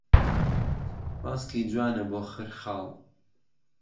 باسکی جوانه بۆ خرخاڵ